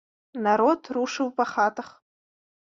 Народ рушыў па хатах.